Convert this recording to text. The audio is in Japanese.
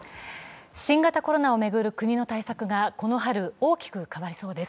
新型コロナを巡る国の対策がこの春、大きく変わりそうです。